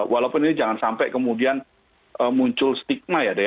walaupun ini jangan sampai kemudian muncul stigma ya